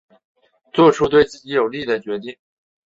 做出对自己有利的决定